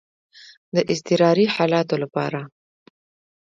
د اضطراري حالاتو لپاره.